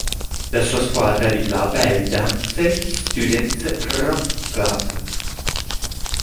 La sua squadra di club è il Danske Studenters Roklub.